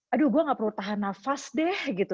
aduh gue gak perlu tahan nafas deh gitu